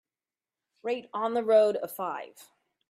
rate On the Road a five